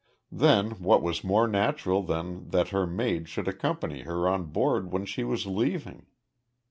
Then, what was more natural than that her maid should accompany her on board when she was leaving?